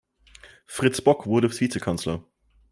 Fritz Bock wurde Vizekanzler.